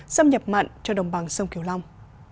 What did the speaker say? xâm nhập mặn cho đồng bằng sông cửu long